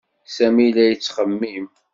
Sami la yettxemmim.